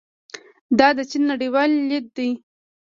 دا د چین نړیوال لید دی.